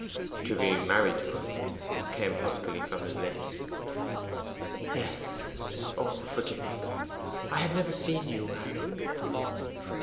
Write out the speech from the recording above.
'To be married to him?' came huskily from his lips. 'Yes. Oh, forgive me! I had never seen you, Harry.